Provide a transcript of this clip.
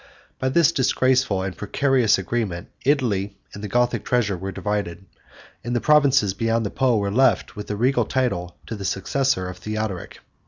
By this disgraceful and precarious agreement, Italy and the Gothic treasure were divided, and the provinces beyond the Po were left with the regal title to the successor of Theodoric.